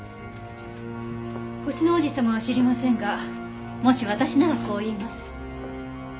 『星の王子さま』は知りませんがもし私ならこう言います。